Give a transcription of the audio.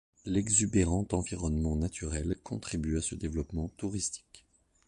L'exubérant environnement naturel contribue a ce développement touristique.